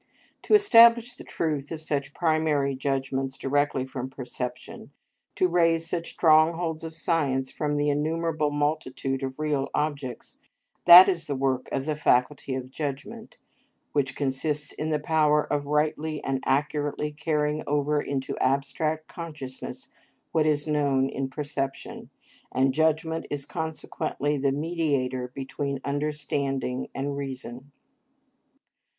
To establish the truth of such primary judgments directly from perception, to raise such strongholds of science from the innumerable multitude of real objects, that is the work of the faculty of judgment, which consists in the power of rightly and accurately carrying over into abstract consciousness what is known in perception, and judgment is consequently the mediator between understanding and reason.